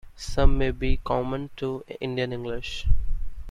Some may be common to Indian English.